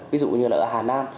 ví dụ như là ở hà nam